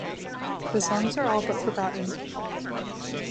The songs are all but forgotten.